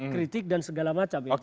kritik dan segala macam